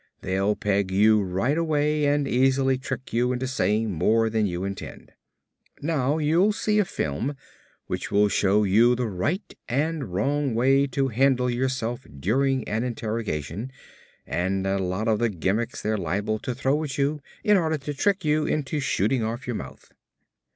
They'll peg you right away and easily trick you into saying more than you intend. Now you'll see a film which will show you the right and wrong way to handle yourself during an interrogation and a lot of the gimmicks they're liable to throw at you in order to trick you into shooting off your mouth."